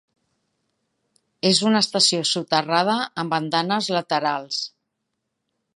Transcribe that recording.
És una estació soterrada amb andanes laterals.